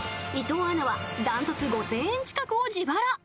伊藤アナはダントツ５０００円近くを自腹。